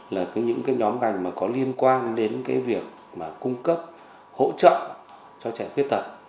là những cái nhóm ngành có liên quan đến việc cung cấp hỗ trợ cho trẻ khuyết tật